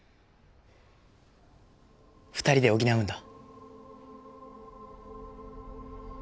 ２人で補うんだ。